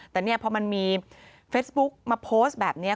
แต่เนี่ยพอมันมีเฟซบุ๊กมาโพสต์แบบนี้